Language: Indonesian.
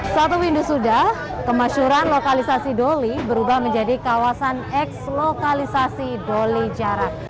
satu windu sudah kemasyuran lokalisasi doli berubah menjadi kawasan eks lokalisasi doli jarak